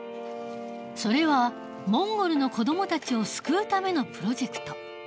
それはモンゴルの子どもたちを救うためのプロジェクト。